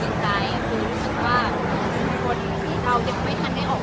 ช่องความหล่อของพี่ต้องการอันนี้นะครับ